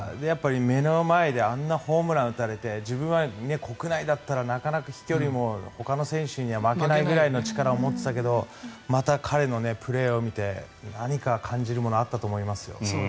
目の前であんなホームランを打たれて自分は国内だったらなかなか飛距離もほかの選手には負けないぐらいの力を持っていたけどまた彼のプレーを見て何か感じるものがあったと思いますよ。